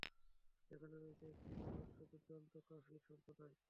সেখানে রয়েছে একটি দুর্ধর্ষ, দুর্দান্ত ও কাফির সম্প্রদায়।